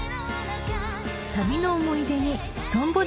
［旅の思い出にとんぼ